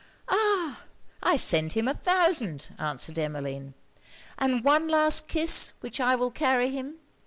'Ah! I send him a thousand!' answered Emmeline. 'And one last kiss, which I will carry him.'